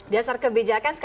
dasar kebijakan sekali lagi